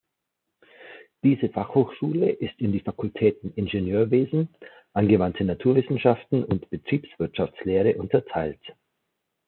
Diese Fachhochschule ist in die Fakultäten Ingenieurwesen, angewandte Naturwissenschaften und Betriebswirtschaftslehre unterteilt.